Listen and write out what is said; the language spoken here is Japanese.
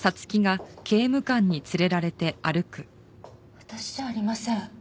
私じゃありません。